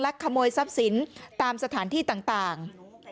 ขโมยทรัพย์สินตามสถานที่ต่าง